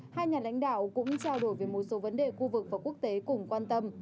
hai nhà lãnh đạo cũng trao đổi về một số vấn đề khu vực và quốc tế cùng quan tâm